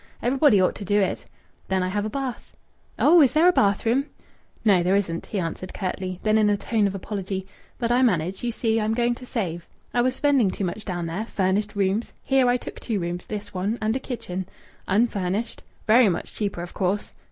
Everybody ought to do it. Then I have a bath." "Oh! Is there a bathroom?" "No, there isn't," he answered curtly. Then in a tone of apology: "But I manage. You see, I'm going to save. I was spending too much down there furnished rooms. Here I took two rooms this one and a kitchen unfurnished; very much cheaper, of course.